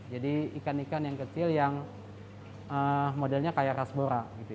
jadi ikan ikan yang kecil yang modelnya kayak rasbora